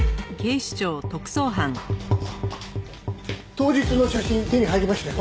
当日の写真手に入りましたよ。